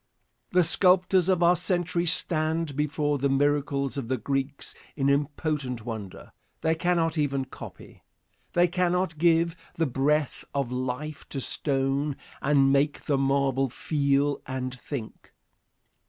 They sculptors of our century stand before the miracles of the Greeks in impotent wonder. They cannot even copy. They cannot give the breath of life to stone and make the marble feel and think.